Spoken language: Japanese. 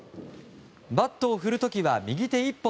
バットを振る時は右手１本。